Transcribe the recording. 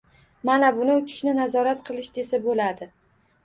— Mana buni uchishni nazorat qilish desa bo‘ladi!